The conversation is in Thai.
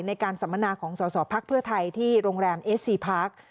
ในการสัมมนาของส่อภักดิ์เพื่อไทยที่โรงแรมเอสซีพาร์ค